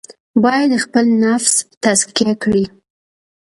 باید خپل نفس تزکیه کړي.